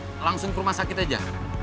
atau kita mau langsung ke rumah sakit aja